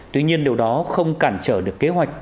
tuy nhiên điều đó không cản trở được kế hoạch